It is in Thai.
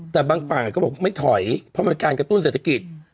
แต่บางฝ่ายก็บอกไม่ถอยเพราะมันการกระตุ้นเศรษฐกิจ